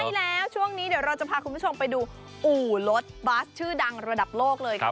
ใช่แล้วช่วงนี้เดี๋ยวเราจะพาคุณผู้ชมไปดูอู่รถบัสชื่อดังระดับโลกเลยครับ